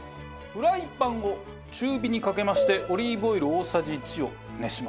フライパンを中火にかけましてオリーブオイル大さじ１を熱します。